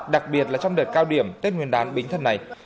đặc biệt là trong đợt cao điểm tết nguyên đán bính thân này